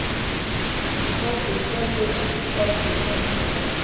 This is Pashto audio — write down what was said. خوب د ستړیو سترګو هوسا ده